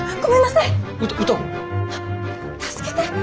助けて！